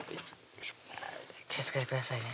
気をつけてくださいね